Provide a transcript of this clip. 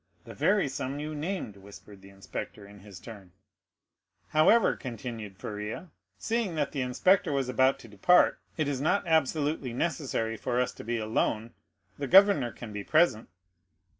"The very sum you named," whispered the inspector in his turn. "However," continued Faria, seeing that the inspector was about to depart, "it is not absolutely necessary for us to be alone; the governor can be present."